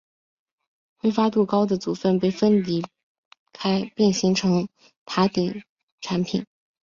挥发度高的组分被分离开并形成塔顶产品。